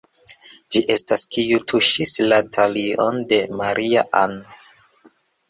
ci estas, kiu tuŝis la talion de Maria-Ann!